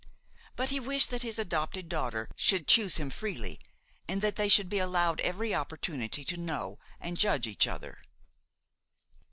But he wished that his adopted daughter should choose him freely and that they should be allowed every opportunity to know and judge each other.